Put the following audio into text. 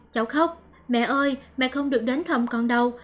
cháu khóc mẹ ơi mẹ không được đến thăm con đâu